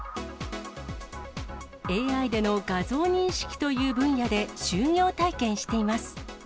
ＡＩでの画像認識という分野で就業体験しています。